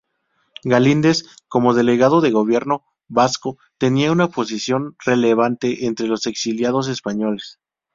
Galíndez, como delegado del Gobierno Vasco, tenía una posición relevante entre los exiliados españoles.